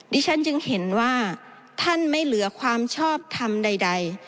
ดิฉันจึงเห็นว่าท่านไม่เหลือความชอบทำใด